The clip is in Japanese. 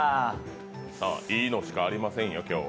いいのしかありませんよ、今日は。